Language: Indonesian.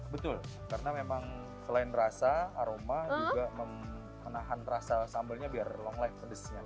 betul karena memang selain rasa aroma juga menahan rasa sambalnya biar long live pedesnya